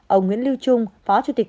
ông nguyễn lưu trung phó chủ tịch